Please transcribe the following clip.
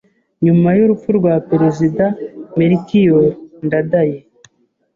nyuma y’urupfu rwa Perezida Melchior Ndadaye.